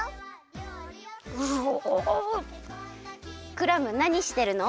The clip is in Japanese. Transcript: クラムなにしてるの？